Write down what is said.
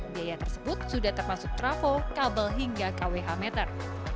biaya tersebut sudah termasuk trafo kabel hingga kwh meter